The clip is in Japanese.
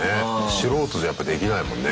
素人じゃやっぱできないもんね